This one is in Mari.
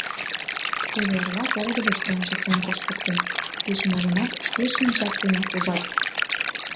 Теве эрла волгыдышто ончыктен коштыктем, кеч-можымат шке шинчат денак ужат...